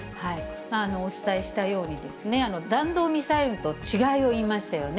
お伝えしたように、弾道ミサイルと違いをいいましたよね。